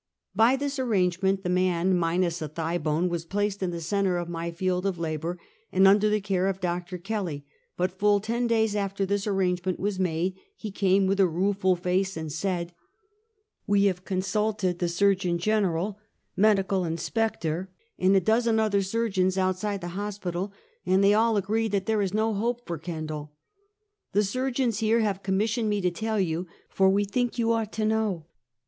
By this arrangement the man minus a thigh bone was placed in the center of my field of labor, and under the care of Dr. Kelly; but full ten days after this arrangement was made, he came with a rueful face and said :" "We have consulted the Surgeon General, Medical Inspector, and a dozen other surgeons outside the hos pital, and they all agree that there is no hope for Ken dall. The surgeons here have commissioned me to tell you, for we think yon ought to know.